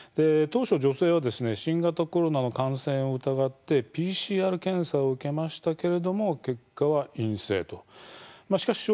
当初女性は新型コロナ感染を疑いＰＣＲ検査を受けましたが結果は陰性でした。